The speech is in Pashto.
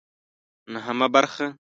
نهمه برخه